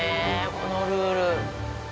このルール。